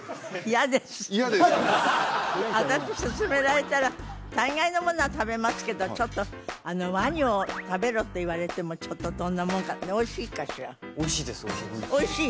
嫌です嫌ですか私勧められたら大概のものは食べますけどちょっとワニを食べろって言われてもちょっとどんなもんかおいしいですおいしいですおいしい？